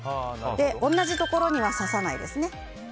同じところには刺さないですね。